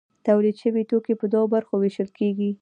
تولید شوي توکي په دوو برخو ویشل کیږي.